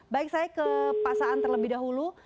baik saya ke pak saan terlebih dahulu